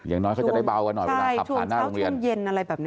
อย่างน้อยเขาจะได้เบากันหน่อยเวลาขับผ่านหน้าโรงเรียน